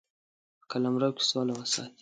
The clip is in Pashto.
په قلمرو کې سوله وساتي.